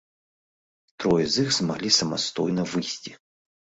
Трое з іх змаглі самастойна выйсці.